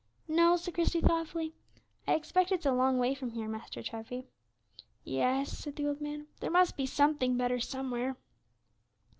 "No," said Christie, thoughtfully; "I expect it's a long way from here, Master Treffy." "Yes," said the old man; "there must be something better somewhere."